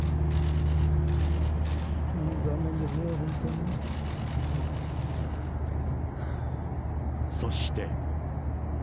もう残念ですね、そして。